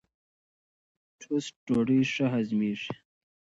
ټوسټ ډوډۍ ښه هضمېږي.